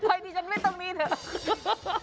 ดิฉันไม่ต้องมีเถอะ